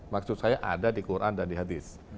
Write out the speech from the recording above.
maksud saya ada di quran dan di hadis